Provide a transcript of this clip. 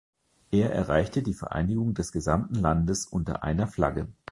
Er erreichte die Vereinigung des gesamten Landes unter einer Flagge.